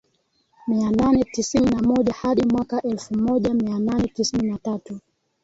mia nane tisini na moja hadi mwaka elfu moja mia nane tisini na tatu